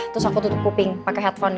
terus aku tutup kuping pakai headphone